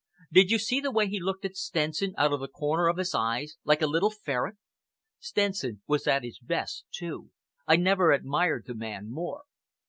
Did you see the way he looked at Stenson out of the corners of his eyes, like a little ferret? Stenson was at his best, too. I never admired the man more."